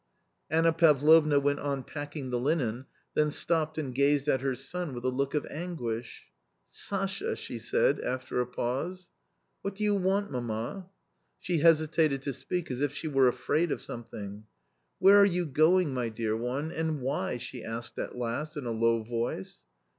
Anna Pavlovna went on packing the linen, then stopped and gazed at her son with a look of anguish. " Sasha !" she said, after a pause. "What do you want, mamma? " She hesitated to speak, as if she were afraid of some thing. " Where are you going, my dear one, and why ?" she asked at last in a low voice.